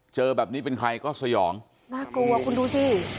เจอแบบนี้เป็นใครก็สยองน่ากลัวคุณดูสิ